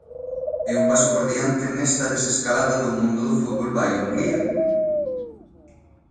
E un paso por diante nesta desescalada do mundo do fútbol vai Hungría.